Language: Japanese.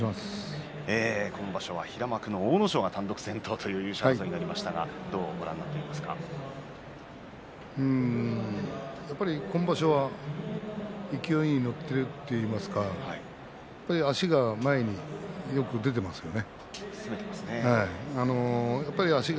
今場所は、平幕の阿武咲が先頭という争いになりましたが今場所は勢いに乗っているといいますか足が前によく出ていますよね。